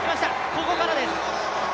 ここからです。